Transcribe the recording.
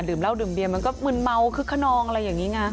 เหล้าดื่มเบียมันก็มืนเมาคึกขนองอะไรอย่างนี้ไง